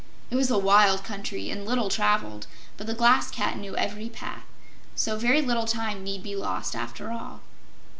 It was a wild country and little traveled, but the Glass Cat knew every path. So very little time need be lost, after all.